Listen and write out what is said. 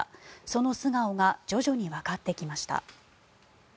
その素顔が徐々にわかってきました。